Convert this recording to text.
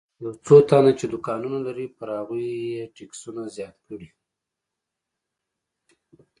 یو څو تنه چې دوکانونه لري پر هغوی یې ټکسونه زیات کړي.